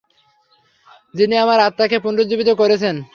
যিনি আমার আত্মাকে পুনুরুজ্জীবিত করেছেন।